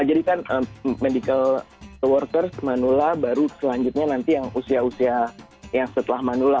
jadi kan medical workers manula baru selanjutnya nanti yang usia usia yang setelah manula